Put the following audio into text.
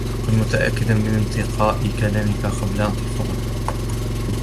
كن متأكدا من انتقاء كلامتك قبل أن تلفظهم.